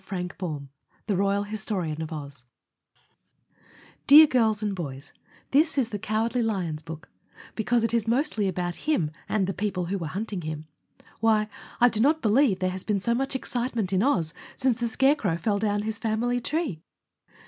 FRANK BAUM "Royal Historian of Oi" Illustrated by JOHN R. NEILL The Reilly & Lee Co. Chicago Dear Girls and Boys: This is the Cowardly Lion's book, because it is mostly about him and the people who were bunting him. Why, I do not believe there has been so much excitement in Oz since the Scarecrow fell down his family tree.